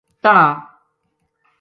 تہنا